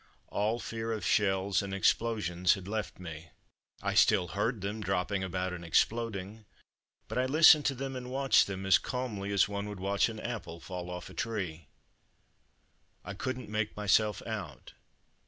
All fear of shells and explosions had left me. I still heard them dropping about and exploding, but I listened to them and watched them as calmly as one would watch an apple fall off a tree. I couldn't make myself out.